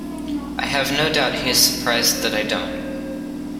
I have no doubt he is surprised that I don't.